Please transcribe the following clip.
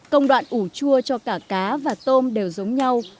công đoạn ủ chua cho cả cá và tôm đều giống nhau